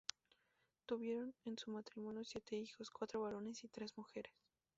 Tuvieron en su matrimonio siete hijos, cuatro varones y tres mujeres.